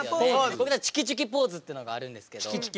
僕たち「ちゅきちゅきポーズ」っていうのがあるんですけど。